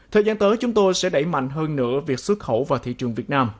thời gian tới chúng tôi sẽ đẩy mạnh hơn nữa việc xuất khẩu vào thị trường việt nam